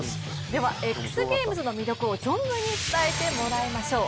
ではＸＧＡＭＥＳの魅力を存分に伝えてもらいましょう。